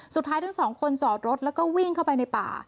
ทั้งสองคนจอดรถแล้วก็วิ่งเข้าไปในป่า